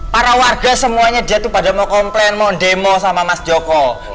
para warga semuanya jatuh pada mau komplain mau demo sama mas joko